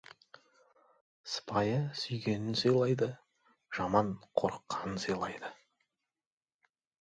Сыпайы сүйгенін сыйлайды, жаман қорыққанын сыйлайды.